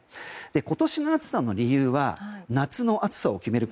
今年の暑さの理由は夏の暑さを決める